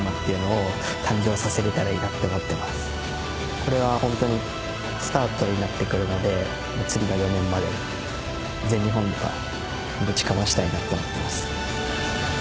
これは本当にスタートになってくるので次の４年までに全日本はぶちかましたいなと思っています。